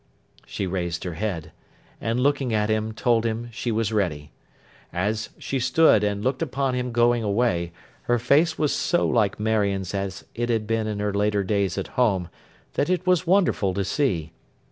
She raised her head, and, looking at him, told him she was ready. As she stood, and looked upon him going away, her face was so like Marion's as it had been in her later days at home, that it was wonderful to see.